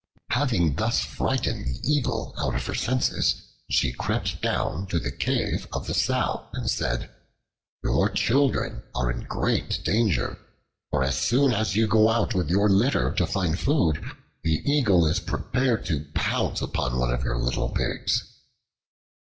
Having thus frightened the Eagle out of her senses, she crept down to the cave of the Sow, and said, "Your children are in great danger; for as soon as you go out with your litter to find food, the Eagle is prepared to pounce upon one of your little pigs."